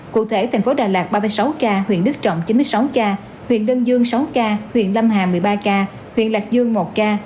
cụ thể thành phố đà lạt ba mươi sáu ca huyện đức trọng chín mươi sáu ca huyện đơn dương sáu ca huyện lâm hà một mươi ba ca huyện lạc dương một ca